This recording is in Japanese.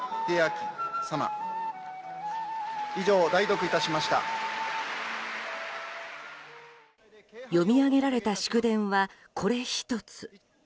読み上げられた祝電はこれ１つ。